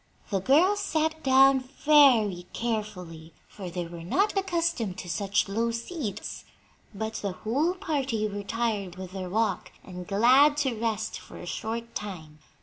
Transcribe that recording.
The girls sat down very carefully, for they were not accustomed to such low seats; but the whole party were tired with their walk and glad to rest for a short time.